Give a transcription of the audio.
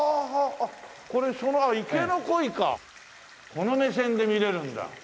この目線で見れるんだ。